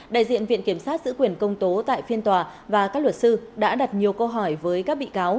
đại diện viện kiểm sát giữ quyền công tố tại phiên tòa và các luật sư đã đặt nhiều câu hỏi với các bị cáo